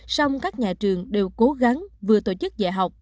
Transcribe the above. song các nhà trường đều cố gắng vừa tổ chức dạy học